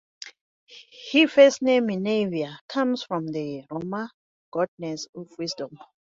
Her first name, Minerva, comes from the Roman goddess of wisdom.